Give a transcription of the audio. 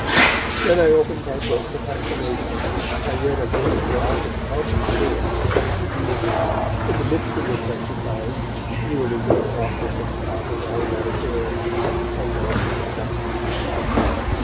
Then I opened my book for consolation, and I read a great block of pompous verse out of 'The Deity', in the midst of which exercise, yielding to the softness of the hot and aromatic air, I fell fast asleep.